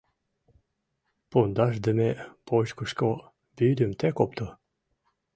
«Пундашдыме вочкышко вӱдым тек опто.